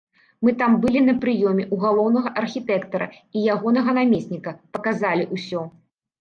Мы там былі на прыёме ў галоўнага архітэктара і ягонага намесніка, паказалі ўсё.